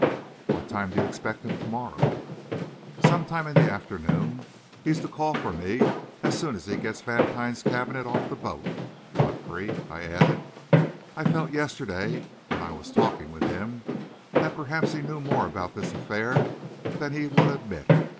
"What time do you expect him to morrow?" "Sometime in the afternoon. He's to call for me as soon as he gets Vantine's cabinet off the boat. Godfrey," I added, "I felt yesterday when I was talking with him that perhaps he knew more about this affair than he would admit.